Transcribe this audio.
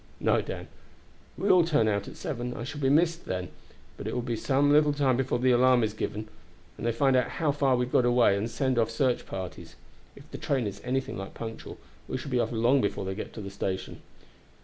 "No, Dan. We all turn out at seven, and I shall be missed then; but it will be some little time before the alarm is given, and they find out how we got away, and send out search parties. If the train is anything like punctual we shall be off long before they get to the station."